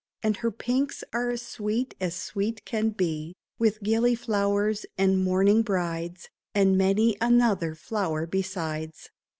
And her pinks are as sweet as sweet can be, With gilly flowers and mourning brides. And many another flower besides.